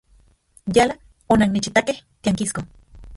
Yala onannechitakej tiankisko.